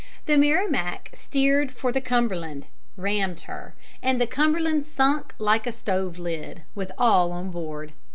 The Merrimac steered for the Cumberland, rammed her, and the Cumberland sunk like a stove lid, with all on board.